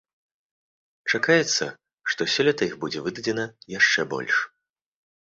Чакаецца, што сёлета іх будзе выдадзена яшчэ больш.